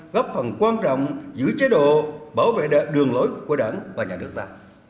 góp phần quan trọng giữ chế độ bảo vệ đường lối của đảng và nhà nước ta